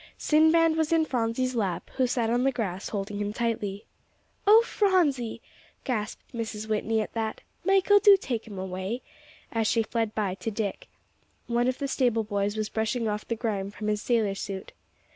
Sinbad was in Phronsie's lap, who sat on the grass, holding him tightly. "Oh, Phronsie!" gasped Mrs. Whitney at that. "Michael, do take him away," as she fled by to Dick. One of the stable boys was brushing off the grime from his sailor suit.